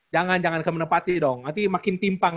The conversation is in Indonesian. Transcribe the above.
jangan jangan ke merepati dong nanti makin timpang